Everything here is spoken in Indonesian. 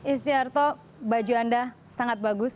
istiarto baju anda sangat bagus